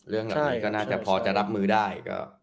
เรื่องเหล่านี้ก็น่าจะพอจะรับมือได้